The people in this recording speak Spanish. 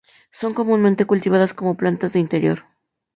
Son comúnmente cultivadas como plantas de interior.